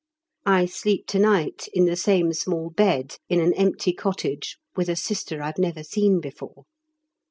I sleep to night in the same small bed in an empty cottage with a Sister I've never seen before.